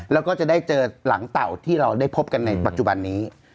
แล้วก็จะได้เจอหลังเต่าที่เราได้พบกันในปัจจุบันนี้